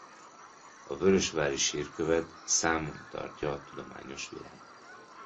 A vörösvári sírkövet számon tartja a tudományos világ.